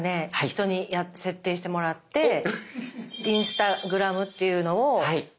人に設定してもらってインスタグラムというのを。